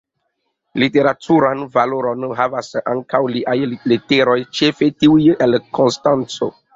Literaturan valoron havas ankaŭ liaj leteroj, ĉefe tiuj el Konstanco.